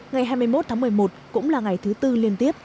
ngày hai mươi một tháng một mươi một cũng là ngày thứ tư liên tiếp